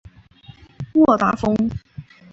沃达丰